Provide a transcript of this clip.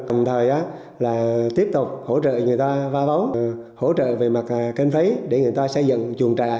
cùng thời là tiếp tục hỗ trợ người ta va vóng hỗ trợ về mặt kênh phấy để người ta xây dựng chuồng trại